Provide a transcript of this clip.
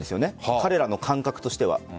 彼らの感覚としては。